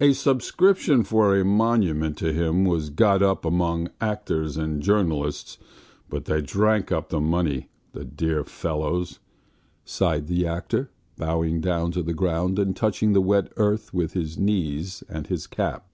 "A subscription for a monument to him was got up among actors and journalists, but they drank up the money, the dear fellows ..." sighed the actor, bowing down to the ground and touching the wet earth with his knees and his cap.